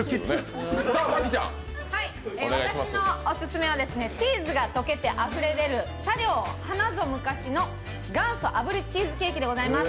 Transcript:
私のオススメはチーズが溶けてあふれ出る、茶寮花ぞむかしの元祖炙りチーズケーキでございます。